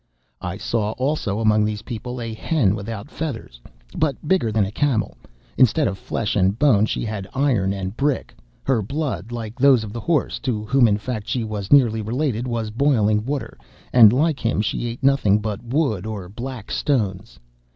"'I saw, also, among these people a hen without feathers, but bigger than a camel; instead of flesh and bone she had iron and brick; her blood, like that of the horse, (to whom, in fact, she was nearly related,) was boiling water; and like him she ate nothing but wood or black stones.